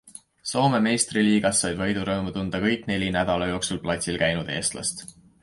Soome meistriliigas said võidurõõmu tunda kõik neli nädala jooksul platsil käinud eestlast.